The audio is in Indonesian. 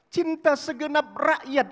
cinta segenap rakyat